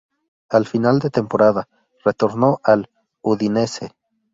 Al final de temporada retornó al Udinese.